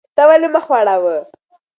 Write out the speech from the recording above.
تا ولې مخ واړاوه؟